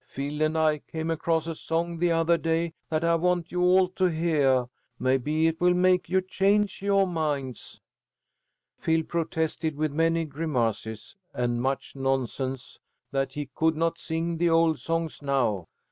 Phil and I came across a song the othah day that I want you all to heah. Maybe it will make you change yoah minds." Phil protested with many grimaces and much nonsense that he "could not sing the old songs now."